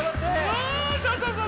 そうそうそうそう！